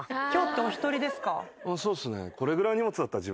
そうっすね。